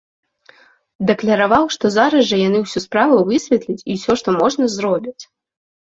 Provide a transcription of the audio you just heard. Дакляраваў, што зараз жа яны ўсю справу высветляць і ўсё, што можна, зробяць.